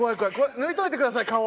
抜いといてください顔。